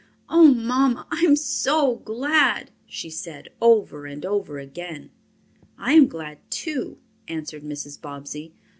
"Oh, mamma, I am so glad!" she said, over and over again. "I am glad too," answered Mrs. Bobbsey.